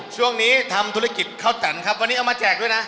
ช่วงนี้ทำธุรกิจข้าวแตนครับวันนี้เอามาแจกด้วยนะ